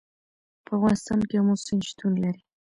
په افغانستان کې آمو سیند شتون لري.